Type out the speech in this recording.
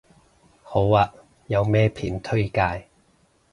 好啊，有咩片推介